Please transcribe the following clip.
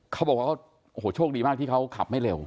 เขาบอกว่าโฮช่วงดีมากที่เขาขับไม่เร็ว